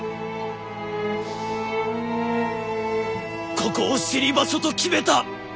ここを死に場所と決めた！